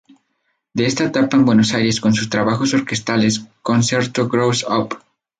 De esta etapa en Buenos Aires son sus trabajos orquestales "Concerto Grosso Op.